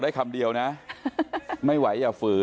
แล้วเราเห็นหน้าชัดเลยเหรอ